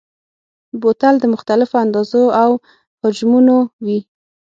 بوتل د مختلفو اندازو او حجمونو وي.